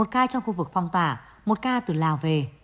một ca trong khu vực phong tỏa một ca từ lào về